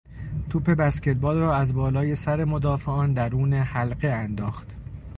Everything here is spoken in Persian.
توپ بسکتبال را از بالای سر مدافعان درون حلقه انداخت.